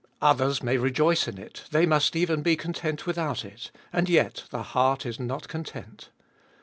Others may rejoice in it, they must even be content without it. And yet the heart is not content.